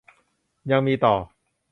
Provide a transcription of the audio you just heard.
ยังมีต่อ